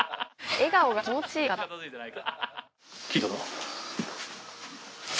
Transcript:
笑顔が気持ちいい方。